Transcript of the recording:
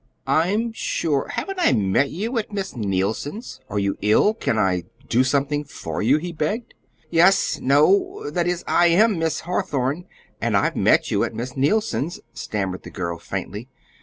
"I'm sure haven't I met you at Miss Neilson's? Are you ill? Can't I do something for you?" he begged. "Yes no that is, I AM Miss Hawthorn, and I've met you at Miss Neilson's," stammered the girl, faintly.